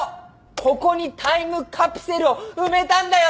ここにタイムカプセルを埋めたんだよ！